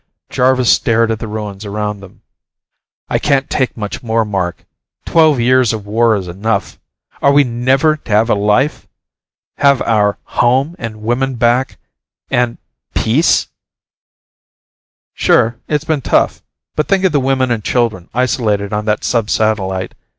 Jarvis stared at the ruins around them. "I can't take much more, Mark. Twelve years of war is enough. Are we never to have a life have our home and women back, and peace?" "Sure, it's been tough. But think of the women and children isolated on that sub satellite.